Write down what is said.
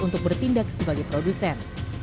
untuk bertindak sebagai produser